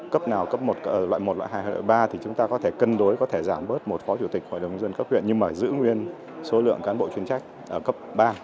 cấp nào cấp loại một loại hai loại ba thì chúng ta có thể cân đối có thể giảm bớt một phó chủ tịch hội đồng dân cấp huyện nhưng mà giữ nguyên số lượng cán bộ chuyên trách ở cấp ba